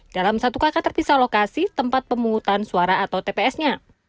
dalam satu kakak terpisah lokasi tempat pemungutan suara atau tps nya